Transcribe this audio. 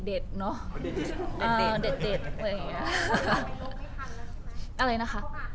รู้แล้วก็ลบไม่ทัน